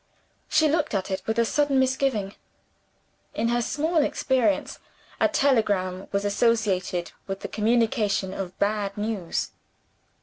She looked at it with a sudden misgiving. In her small experience, a telegram was associated with the communication of bad news.